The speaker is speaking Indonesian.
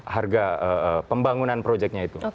harga pembangunan proyeknya itu